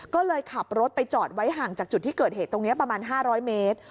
ก็เลยขับรถไปจอดไว้ห่างจากจุดที่เกิดเหตุตรงนี้ประมาณ๕๐๐เมตร